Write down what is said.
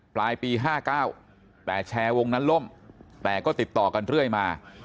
ปลายปี๕๙แต่แชร์วงนั้นล่มแต่ก็ติดต่อกันเรื่อยมา